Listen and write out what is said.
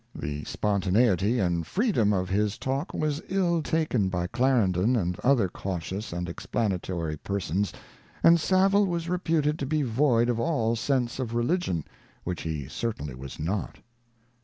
The spontaneity and freedom of his talk was ill taken by Clarendon and other cautious and explanatory persons, and Savile was reputed to be void of all sense of religion — which he certainly was not.